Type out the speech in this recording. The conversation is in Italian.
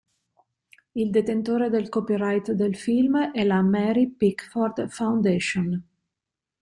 Il detentore del copyright del film è la "Mary Pickford Foundation".